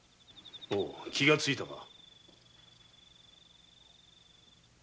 おう気がついたか？